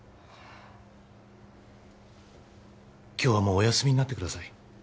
今日はもうお休みになってください